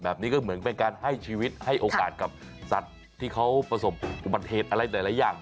แบบนี้ก็เหมือนเป็นการให้ชีวิตให้โอกาสกับสัตว์ที่เขาผสมอุปเทศอะไรหลายอย่างแบบนั้นนะครับ